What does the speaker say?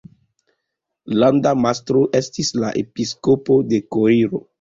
Landa mastro estis la episkopo de Koiro.